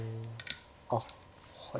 あっはい。